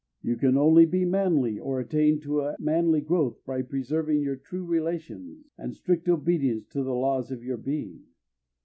You can only be manly or attain to a manly growth by preserving your true relations and strict obedience to the laws of your being.